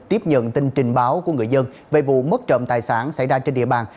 tiếp nhận tin trình báo của người dân về vụ mất trộm tài sản xảy ra trên địa bàn